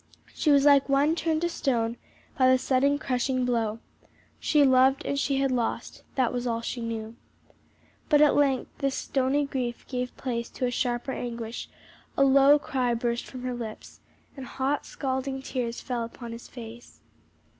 She was like one turned to stone by the sudden crushing blow. She loved and she had lost that was all she knew. But at length this stony grief gave place to a sharper anguish, a low cry burst from her lips, and hot scalding tears fell upon his face.